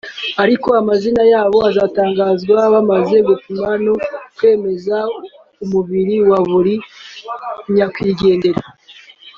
ariko amazina yabo azatangazwa bamaze gupima no kwemeza umubiri wa buri nyakwigendera